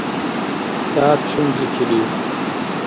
СягӀят чум дикилив?